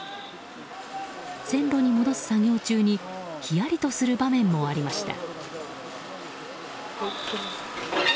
線路に戻す作業中にひやりとする場面もありました。